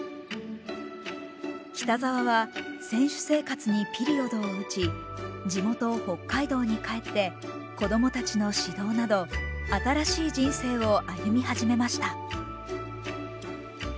北沢は選手生活にピリオドを打ち地元北海道に帰って子供たちの指導など新しい人生を歩み始めました。